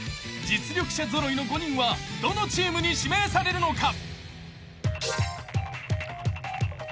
［実力者揃いの５人はどのチームに指名されるのか？］